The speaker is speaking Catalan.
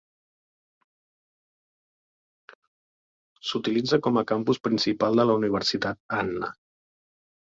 S'utilitza com a campus principal de la Universitat Anna.